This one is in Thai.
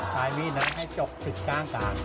ใส่มีน้ำให้จบถึงกลางกลาง